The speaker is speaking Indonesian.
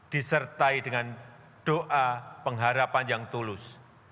disertai dengan doa pengharapan yang tulus